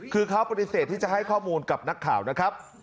คือเขาปฏิเสธที่จะให้ข้อมูลกับนักข่าวนะครับ